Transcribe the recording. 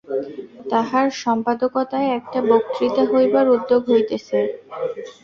তাঁহার সম্পাদকতায় একটা বক্তৃতা হইবার উদ্যোগ হইতেছে।